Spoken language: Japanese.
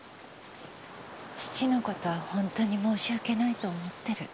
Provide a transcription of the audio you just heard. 父の事は本当に申し訳ないと思ってる。